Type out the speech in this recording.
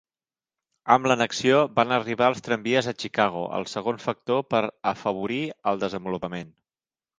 Amb l'annexió van arribar els tramvies a Chicago, el segon factor per afavorir el desenvolupament.